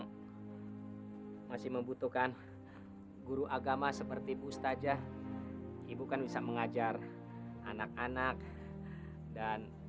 hai masih membutuhkan guru agama seperti bu stajah ibu kan bisa mengajar anak anak dan